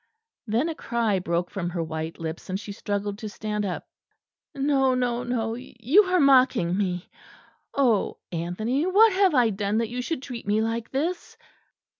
Then a cry broke from her white lips, and she struggled to stand up. "No, no, no! you are mocking me. Oh! Anthony, what have I done, that you should treat me like this?"